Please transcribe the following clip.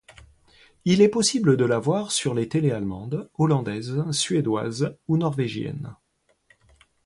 Il est possible de la voir sur les télés allemandes, hollandaises, suédoises ou norvégiennes.